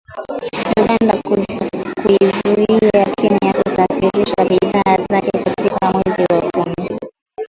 Uganda kuiuzia Kenya kusafirisha bidhaa zake katika mwezi wa kumi